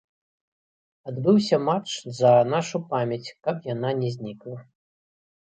Адбыўся матч за нашу памяць, каб яна не знікла.